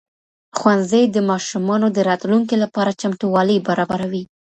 ښوونځی د ماشومانو د راتلونکي لپاره چمتووالی برابروي.